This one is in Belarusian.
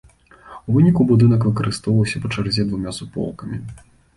У выніку будынак выкарыстоўваўся па чарзе двума суполкамі.